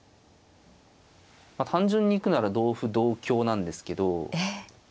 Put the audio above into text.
単純に行くなら同歩同香なんですけど。